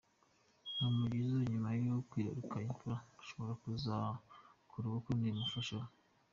Humble Jizzo nyuma yo kwibaruka imfura ashobora kuzakora ubukwe n'uyu mufasha we.